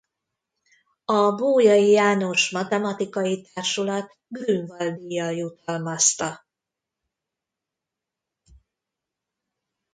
A Bolyai János Matematikai Társulat Grünwald-díjjal jutalmazta.